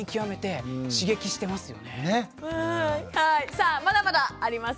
さあまだまだあります。